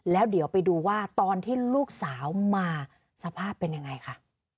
แล้วเดี๋ยวไปดูว่าตอนที่ลูกสาวมาสภาพเป็นยังไงค่ะ